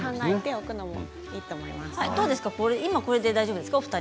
お二人これで大丈夫ですか。